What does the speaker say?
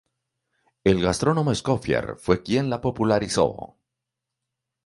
El gastrónomo Escoffier fue quien la popularizó.